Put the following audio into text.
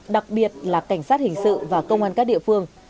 đặc biệt là cảnh sát hình sự và công an các địa phương